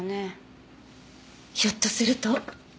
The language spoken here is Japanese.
ひょっとすると。